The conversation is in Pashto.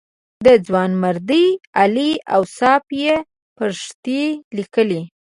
د ځوانمردۍ عالي اوصاف یې فرښتې لیکلې.